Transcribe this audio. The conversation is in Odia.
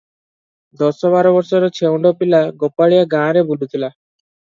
ଦଶ ବାର ବର୍ଷର ଛେଉଣ୍ଡ ପିଲା ଗୋପାଳିଆ ଗାଁରେ ବୁଲୁଥିଲା ।